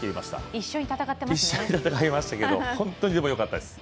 一緒に戦いましたけど、本当によかったです。